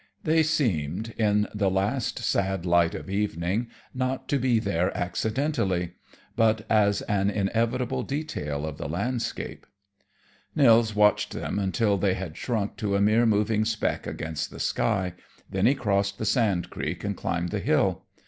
They seemed, in the last sad light of evening, not to be there accidentally, but as an inevitable detail of the landscape. Nils watched them until they had shrunk to a mere moving speck against the sky, then he crossed the sand creek and climbed the hill.